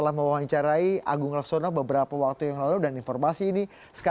apakah anda mengikuti pertarungan ini dengan cara berbeda